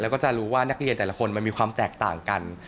แล้วก็จะรู้ว่านักเรียนแต่ละคนมันมีความแตกต่างกัน